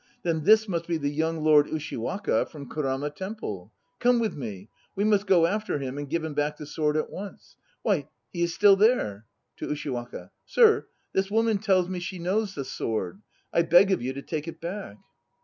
Then this must be the young Lord Ushiwaka from Kurama Temple. Come with me. We must go after him and give him back the sword at once. Why, he is still there! (To USHIWAKA.) Sir, this woman tells me she knows the sword; I beg of you to take it back.